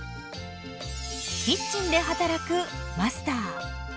キッチンで働くマスター。